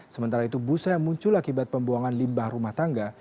sementara itu busa yang muncul akibat pembuangan limbah rumah tangga